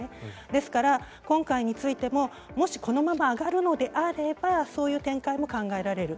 ですから今回についてもこのまま上がるのであればそういう展開も考えられる。